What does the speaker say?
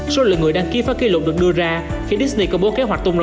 số lượng người đăng ký phá kỷ lục được đưa ra khi di công bố kế hoạch tung ra